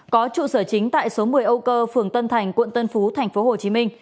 có trụ sở chính tại số một mươi âu cơ phường tân thành quận tân phú tp hcm